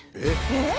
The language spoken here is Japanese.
えっ？